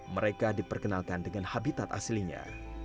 mereka diperkenalkan dengan habitat aslinya